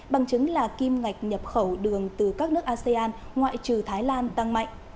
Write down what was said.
bằng chứng là kim ngạch nhập khẩu đường từ các nước asean ngoại trừ thái lan tăng mạnh